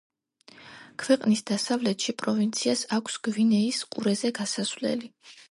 ქვეყნის დასავლეთში პროვინციას აქვს გვინეის ყურეზე გასასვლელი.